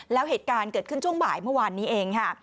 แล้วเหตุการณ์เกิดขึ้นช่วงบ่ายเมื่อวานนี้เองค่ะ